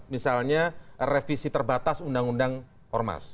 misalnya revisi terbatas undang undang ormas